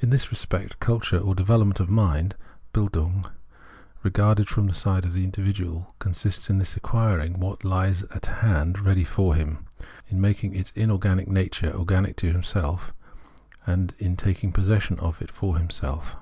In this respect culture or development of mind (Bildung), regarded from the side of the individual, consists in his acquiring what hes at his hand ready for him, in making its inorganic nature organic to himself, and taking possession of it for himself.